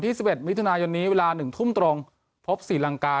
สิบเอ็ดมิถุนายนนี้เวลาหนึ่งทุ่มตรงพบศรีลังกา